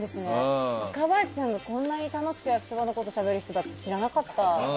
若林さんがこんなに楽しく焼きそばのことしゃべる人だって知らなかった。